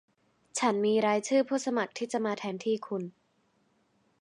ฉันมีรายชื่อผู้สมัครที่จะมาแทนที่คุณ